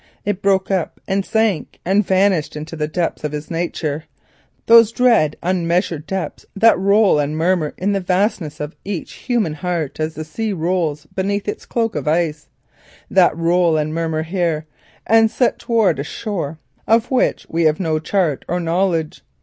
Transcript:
It broke, sank, and vanished into the depths of his nature, those dread unmeasured depths that roll and murmur in the vastness of each human heart as the sea rolls beneath its cloak of ice; that roll and murmur here, and set towards a shore of which we have no chart or knowledge.